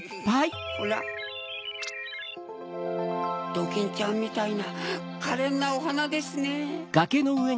ドキンちゃんみたいなかれんなおはなですねぇ。